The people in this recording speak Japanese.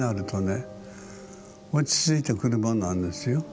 落ち着いてくるものなんですよ。